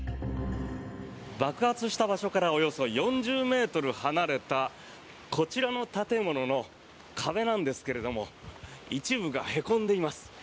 爆発した場所からおよそ４０ｍ離れたこちらの建物の壁なんですが一部がへこんでいます。